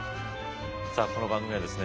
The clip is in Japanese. さあこの番組はですね